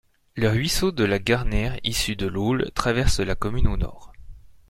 Le ruisseau de la Garnère issu de l’Aule traverse la commune au nord.